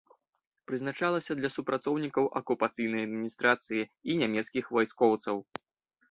Прызначалася для супрацоўнікаў акупацыйнай адміністрацыі і нямецкіх вайскоўцаў.